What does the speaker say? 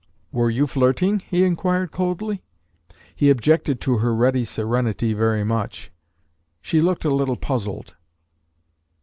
"Were you flirting?" he inquired coldly. He objected to her ready serenity very much. She looked a little puzzled.